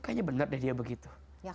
kayaknya benar deh dia begitu